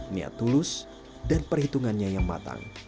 niat tulus dan perhitungannya yang matang